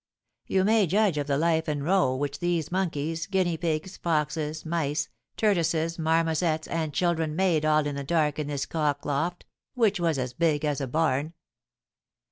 "You may judge of the life and row which these monkeys, guinea pigs, foxes, mice, tortoises, marmosettes, and children made all in the dark in this cock loft, which was as big as a barn.